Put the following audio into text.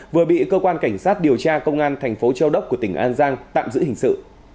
vừa bị cơ quan cảnh sát điều tra công an thành phố châu đốc của tỉnh an giang tạm giữ hình sự